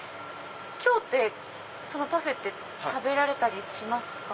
今日ってそのパフェ食べられたりしますか？